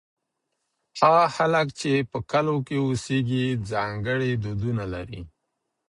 هغه خلک چې په کلو کې اوسېږي ځانګړي دودونه لري.